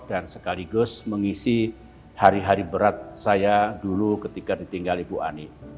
dan sekaligus mengisi hari hari berat saya dulu ketika ditinggal ibu ani